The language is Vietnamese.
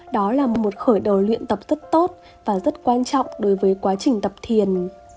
đó là một khởi đầu luyện tập rất tốt và rất quan trọng đối với quá trình tập thiền